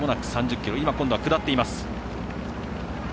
今度は下っています。